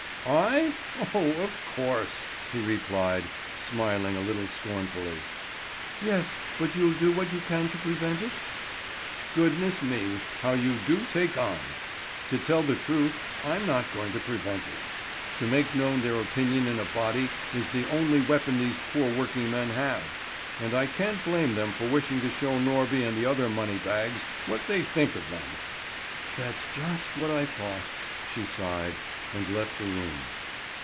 "I? Oh, of course!" he replied, smiling a little scornfully. "Yes, but you'll do what you can to prevent it?" "Goodness me, how you do take on! To tell the truth, I'm not going to prevent it. To make known their opinion in a body is the only weapon these poor working men have; and I can't blame them for wishing to show Norby and the other money bags what they think of them." "That's just what I thought!" she sighed, and left the room.